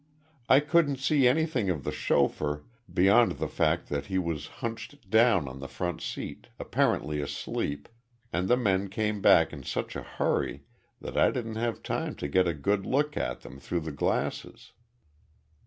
I couldn't see anything of the chauffeur beyond the fact that he was hunched down on the front seat, apparently asleep, and the men came back in such a hurry that I didn't have time to get a good look at them through the glasses."